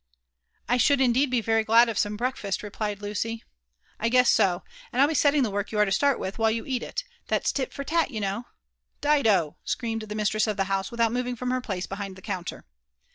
I should indeed be very glad of some breakfast," replied Lucy. ''I guess so; and I'll be selling the work you are to start with while you eat it: that's til for tat, you know. Didol" screamed the mistress of the house, without moving from her place behind the counter.